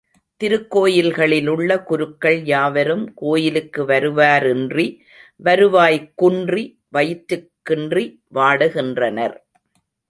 திருக் கோயில்களிலுள்ள குருக்கள் யாவரும் கோயிலுக்கு வருவாரின்றி வருவாய் குன்றி வயிற்றுக் கின்றி வாடுகின்றனர்.